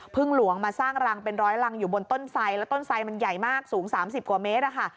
หลวงมาสร้างรังเป็นร้อยรังอยู่บนต้นไสแล้วต้นไสมันใหญ่มากสูง๓๐กว่าเมตรอะค่ะ